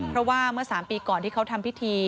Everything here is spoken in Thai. เพราะว่าเมื่อ๓ปีก่อนที่เขาทำพิธี